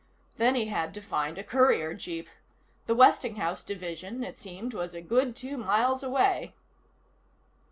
Then he had to find a courier jeep. The Westinghouse division, it seemed, was a good two miles away.